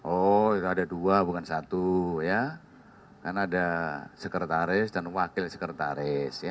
oh itu ada dua bukan satu ya karena ada sekretaris dan wakil sekretaris